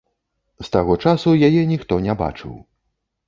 З таго часу яе ніхто не бачыў.